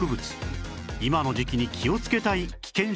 今の時期に気をつけたい危険植物なんです